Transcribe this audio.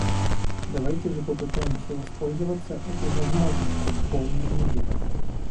Давайте же попытаемся воспользоваться этой возможностью в полной мере.